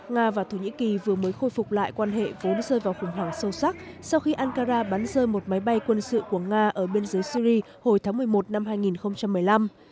nga và thổ nhĩ kỳ vừa mới khôi phục lại quan hệ vốn rơi vào khủng hoảng sâu sắc sau khi ankara bắn rơi một máy bay quân sự của nga ở biên giới syri hồi tháng một mươi một năm hai nghìn một mươi năm